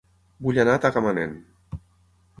Vull anar a Tagamanent